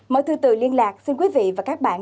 mở thư tự liên lạc xin quý vị và các bạn